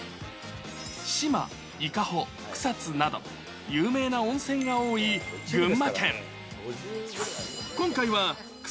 四万、伊香保、草津など、有名な温泉が多い群馬県。